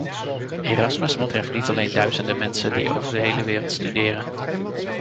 Erasmus betreft niet alleen duizenden mensen die over de hele wereld studeren.